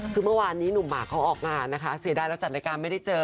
คือเมื่อวานนี้หนุ่มหมากเขาออกงานนะคะเสียดายแล้วจัดรายการไม่ได้เจอ